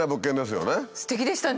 すてきでしたね。